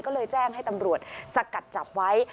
ก็เลยแจ้งให้ตำรวจสกัดจับไว้